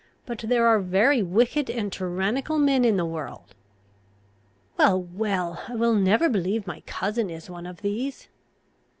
But there are very wicked and tyrannical men in the world." "Well, well, I will never believe my cousin is one of these."